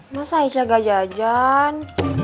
masa aisyah gak jajan